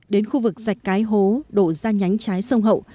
đổ ra nhánh trái sông hậu